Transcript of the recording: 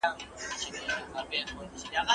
که تاسي په پښتو کي نوي کتابونه ولیکئ پښتو به وده وکړي.